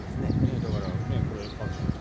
だからこれ、パックンさん